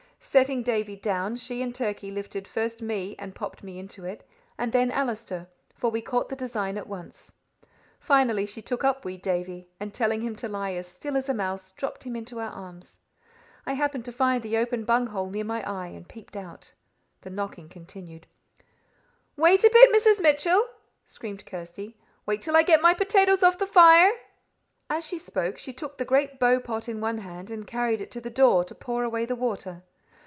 Setting Davie down, she and Turkey lifted first me and popped me into it, and then Allister, for we caught the design at once. Finally she took up wee Davie, and telling him to lie as still as a mouse, dropped him into our arms. I happened to find the open bung hole near my eye, and peeped out. The knocking continued. "Wait a bit, Mrs. Mitchell," screamed Kirsty; "wait till I get my potatoes off the fire." As she spoke, she took the great bow pot in one hand and carried it to the door, to pour away the water.